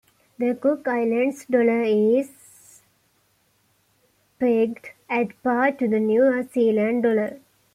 The Cook Islands dollar is pegged at par to the New Zealand dollar.